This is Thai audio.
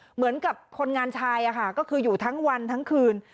เหมือนกับคนงานชายก็คืออยู่ทั้งวันทั้งคืน